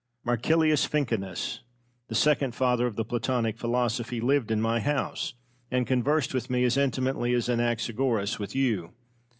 Marcilius Ficinus, the second father of the Platonic philosophy, lived in my house, and conversed with me as intimately as Anaxagoras with you.